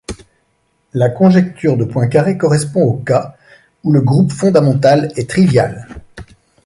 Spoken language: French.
La conjecture de Poincaré correspond au cas où le groupe fondamental est trivial.